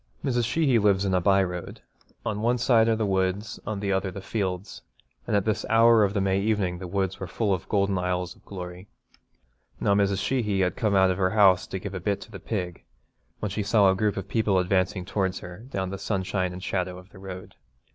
Mrs. Sheehy lives in a by road. On one side are the woods, on the other the fields, and at this hour of the May evening the woods were full of golden aisles of glory. Now Mrs. Sheehy had come out of her house to give a bit to the pig, when she saw a group of people advancing towards her down the sunshine and shadow of the road.